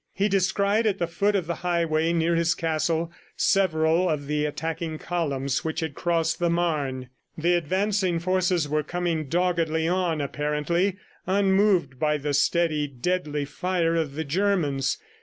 He descried at the foot of the highway near his castle, several of the attacking columns which had crossed the Marne. The advancing forces were coming doggedly on, apparently unmoved by the steady, deadly fire of the Germans.